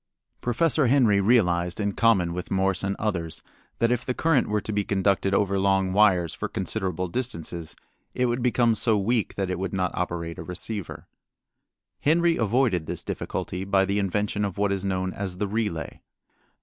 Professor Henry realized, in common with Morse and others, that if the current were to be conducted over long wires for considerable distances it would become so weak that it would not operate a receiver. Henry avoided this difficulty by the invention of what is known as the relay.